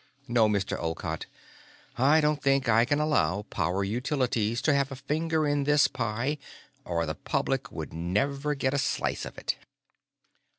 "No, Mr. Olcott; I don't think I can allow Power Utilities to have a finger in this pie or the public would never get a slice of it."